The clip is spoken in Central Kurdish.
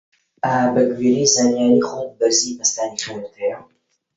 ئایا بە گوێرەی زانیاری خۆت بەرزی پەستانی خوێنت هەیە؟